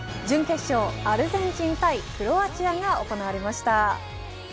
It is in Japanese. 準決勝アルゼンチン対クロアチアが行われました。